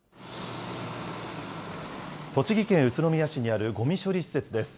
栃木県宇都宮市にあるごみ処理施設です。